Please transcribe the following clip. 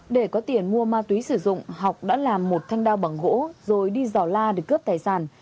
để có tiền mua ma túy sử dụng học đã làm một thanh đao bằng gỗ rồi đi dò la để cướp tài sản